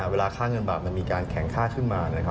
เวลาค่าเงินบาทมันมีการแข็งค่าขึ้นมา